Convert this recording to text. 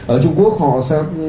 ở trung quốc họ sẽ